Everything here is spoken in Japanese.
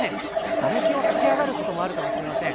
がれきを駆け上がることもあるかもしれません。